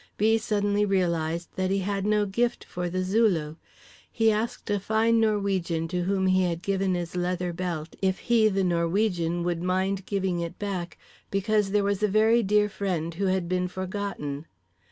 B. suddenly realized that he had no gift for The Zulu; he asked a fine Norwegian to whom he had given his leather belt if he, the Norwegian, would mind giving it back, because there was a very dear friend who had been forgotten.